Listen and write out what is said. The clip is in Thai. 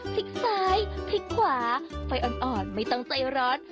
พลิกซ้ายพลิกขวาไฟอ่อนไม่ต้องใจร้อน